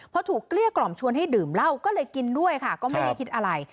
พอถูกเกลี้ยกล่อมชวนให้ดื่มเหล้าก็เลยกินด้วยค่ะก็ไม่ได้คิดอะไร